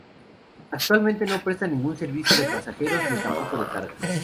Actualmente no presta ningún servicio de pasajeros ni tampoco de carga.